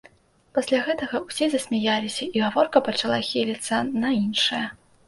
Пасля гэтага ўсе засмяяліся і гаворка пачала хіліцца на іншае.